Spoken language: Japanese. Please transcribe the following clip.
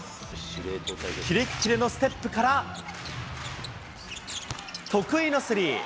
キレッキレのステップから、得意のスリー。